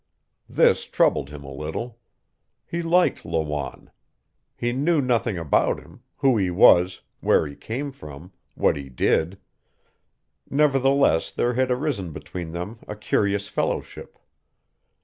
This troubled him a little. He liked Lawanne. He knew nothing about him, who he was, where he came from, what he did. Nevertheless there had arisen between them a curious fellowship.